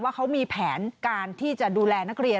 ว่าเขามีแผนการที่จะดูแลนักเรียน